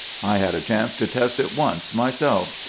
I had a chance to test it once myself.